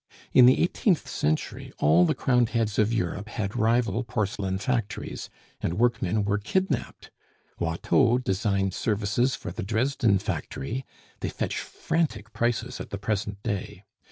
In the eighteenth century, all the crowned heads of Europe had rival porcelain factories, and workmen were kidnaped. Watteau designed services for the Dresden factory; they fetch frantic prices at the present day.